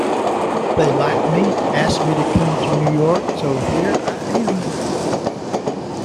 They liked me, asked me to come to New York, so here I am!